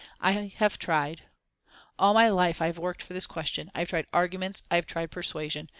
I have tried all my life I have worked for this question I have tried arguments, I have tried persuasion.